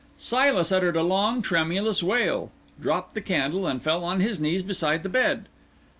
Silas uttered a long, tremulous wail, dropped the candle, and fell on his knees beside the bed.